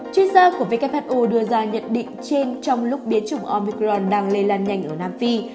chuyên gia của who đưa ra nhận định trên trong lúc biến chủng omicron đang lây lan nhanh ở nam phi